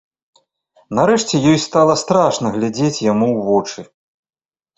Нарэшце ёй стала страшна глядзець яму ў вочы.